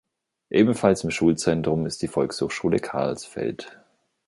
Ebenfalls im Schulzentrum ist die Volkshochschule Karlsfeld.